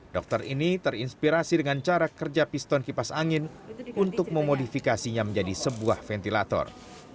dokter ini terinspirasi dengan cara kerja piston kipas angin untuk memodifikasinya menjadi sebuah ventilator